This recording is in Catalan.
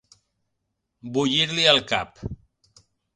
Bullir-li el cap.